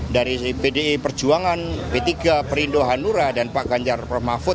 dari pdi perjuangan p tiga perindo hanura dan pak ganjar permafut